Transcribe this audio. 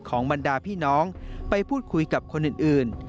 บรรดาพี่น้องไปพูดคุยกับคนอื่น